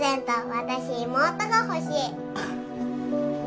私妹が欲しい